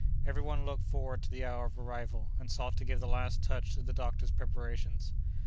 Every one looked forward to the hour of arrival, and sought to give the last touch to the doctor's preparations.